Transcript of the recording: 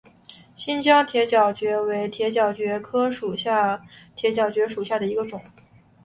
新疆铁角蕨为铁角蕨科铁角蕨属下的一个种。